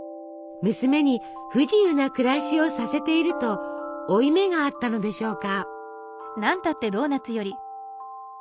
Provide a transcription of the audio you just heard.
娘に不自由な暮らしをさせていると負い目があったのでしょうか。